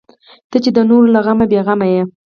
ته چې د نورو له غمه بې غمه یې.